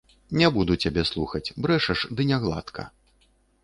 Не буду цябе слухаць, брэшаш, ды не гладка.